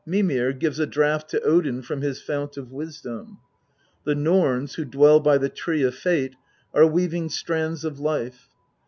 Mimir gives a draught to Odin from his fount of wisdom. The Norns who dwell by the Tree of Fate are weaving strands of life.